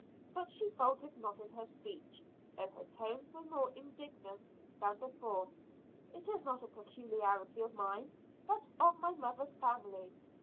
But she faltered not in her speech, though her tones were more indignant than before. "It is not a peculiarity of mine, but of my mother's family.